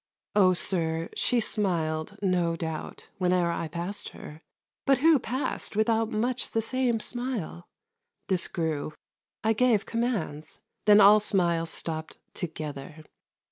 Oh sir, she smiled, no doubt, Whene'er I passed her; but who passed without Much the same smile? This grew; I gave commands; Then all smiles stopped together.